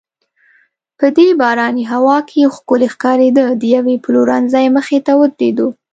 په دې باراني هوا کې ښکلې ښکارېده، د یوې پلورنځۍ مخې ته ودریدو.